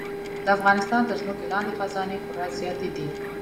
د افغانستان تر ځمکې لاندې خزانې خورا زیاتې دي.